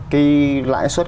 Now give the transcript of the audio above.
cái lãi suất